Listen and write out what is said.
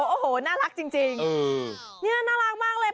โอ้โหน่ารักจริงนี่น่ารักมากเลย